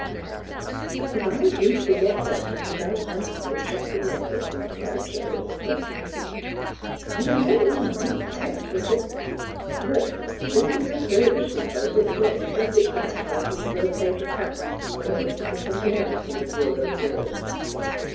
'' Land! ef I didn't ferget t' ask you 'bout them folks up t' th' Eggleston place," said the little dressmaker, '' 'n' I hed it in mind, special; but speakin' of the third Mis' Bogert sort o' shoved it back, like you will a paper pattern when you're lookin' fer somethin' else in the bureau drawer!